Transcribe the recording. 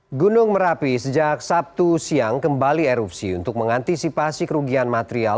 hai gunung merapi sejak sabtu siang kembali erupsi untuk mengantisipasi kerugian material